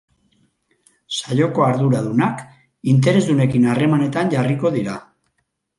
Saioko arduradunak interesdunekin harremanetan jarriko dira.